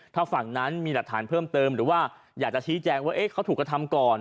ถ้าฝั่งนั้นมีหลักฐานเพิ่มเติมหรือว่าอยากจะชี้แจงว่าเขาถูกกระทำก่อน